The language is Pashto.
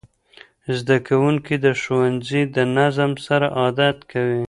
زدهکوونکي د ښوونځي د نظم سره عادت کوي.